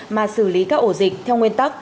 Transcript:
mà xử lý các ổ dịch theo nguyên tắc